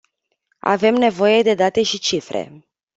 Avem nevoie de date și cifre.